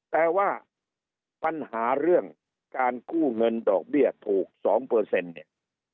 แต่ว่าปัญหาเรื่องการกู้เงินดอกเบี้ยถูก๒เนี่ย